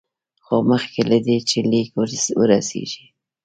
خو مخکې له دې چې لیک ورسیږي.